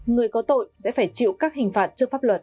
người có tội sẽ phải chịu các hình phạt